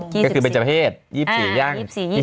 ก็คือเป็นเฉพาะเทศ๒๔ย่าง๒๕